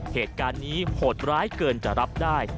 เหตุการณ์นี้โหดร้ายเกินจะรับได้